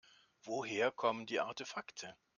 Woher kommen die Artefakte?